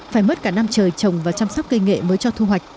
phải mất cả năm trời trồng và chăm sóc cây nghệ mới cho thu hoạch